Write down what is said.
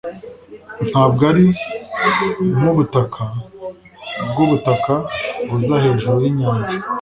ntabwo ari nkubutaka bwubutaka buza hejuru yinyanja